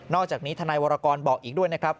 อกจากนี้ทนายวรกรบอกอีกด้วยนะครับ